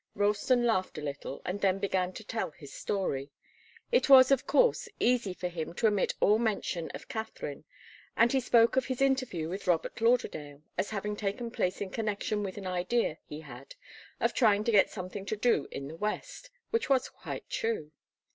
Ralston laughed a little and then began to tell his story. It was, of course, easy for him to omit all mention of Katharine, and he spoke of his interview with Robert Lauderdale as having taken place in connection with an idea he had of trying to get something to do in the West, which was quite true.